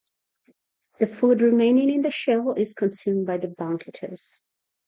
The food remaining in the shell is consumed by the banqueters.